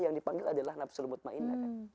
yang dipanggil adalah nafsu lemut ma'inah